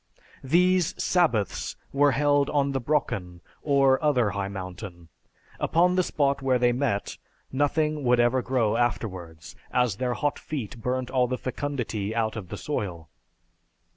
"These 'sabbaths' were held on the Brocken or other high mountain. Upon the spot where they met, nothing would ever grow afterwards, as their hot feet burnt all the fecundity out of the soil.